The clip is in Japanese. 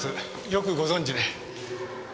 よくご存じで。